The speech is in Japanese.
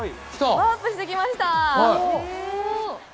ワープしてきました！